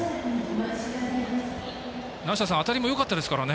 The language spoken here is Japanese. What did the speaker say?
当たりもよかったですからね。